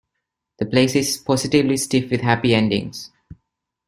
The place is positively stiff with happy endings.